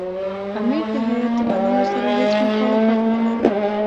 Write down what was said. امیر د هیات د منلو سره هېڅ مخالفت نه لري.